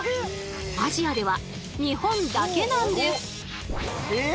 アジアでは日本だけなんです。